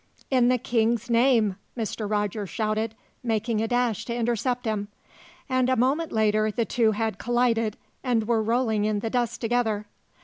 "In the King's name!" Mr. Rogers shouted, making a dash to intercept him. And a moment later the two had collided, and were rolling in the dust together.